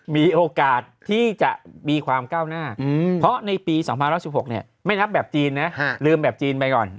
มีโอกาสที่จะมีความก้าวหน้าเพราะในปี๒๐๑๖ไม่นับแบบจีนนะลืมแบบจีนไปก่อน